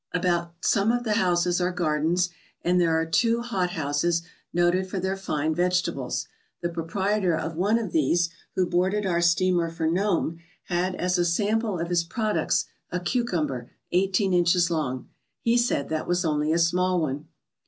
About some of the houses are gardens and there are two hot houses noted for their fine vegetables. The proprietor of one of these, who boarded our steamer for Nome, had 178 FROM FORT GIBBON TO THE SEA as a sample of his products a cucumber eighteen inches long. He said that was only a small one.